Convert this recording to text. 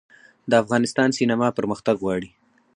د افغانستان سینما پرمختګ غواړي